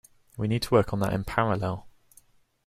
We need to work on that in parallel.